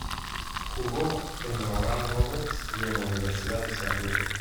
Jugó en la Oral Roberts y en la Universidad de San Diego.